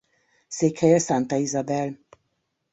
Székhelye Santa Isabel.